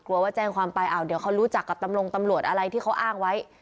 ว่าแจ้งความไปเดี๋ยวเขารู้จักกับตำรวจอะไรที่เขาอ้างไว้